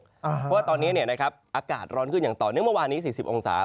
เพราะว่าตอนนี้อากาศร้อนขึ้นอย่างต่อเนื่องเมื่อวานนี้๔๐องศา